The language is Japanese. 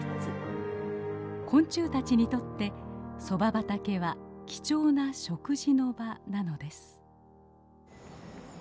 昆虫たちにとってソバ畑は貴重な食事の場なのです。